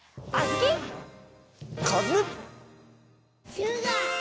ひゅうが！